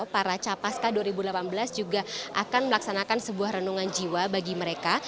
para capaska dua ribu delapan belas juga akan melaksanakan sebuah rendungan jiwa